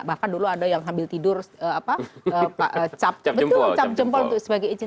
bahkan dulu ada yang sambil tidur cap jempol untuk sebagai icip